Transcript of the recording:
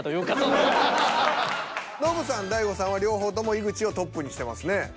ノブさん大悟さんは両方とも井口をトップにしてますね。